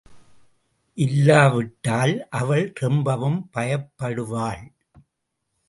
இல்லாவிட்டால் அவள் ரொம்பவும் பயப்படுவாள்.